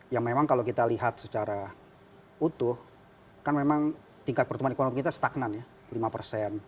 ya memang kalau kita lihat secara utuh kan memang tingkat pertumbuhan ekonomi kita stagnan ya lima persen